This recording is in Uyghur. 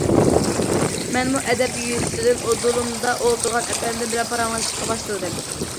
مەنمۇ ئەدەپ يۈزىسىدىن ئۇدۇلۇمدا ئولتۇرغان ئەپەندىم بىلەن پاراڭلىشىشقا باشلىدىم.